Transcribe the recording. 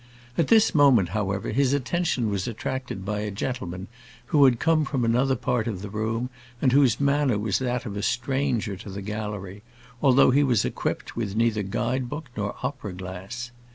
At this moment, however, his attention was attracted by a gentleman who had come from another part of the room and whose manner was that of a stranger to the gallery, although he was equipped with neither guide book nor opera glass.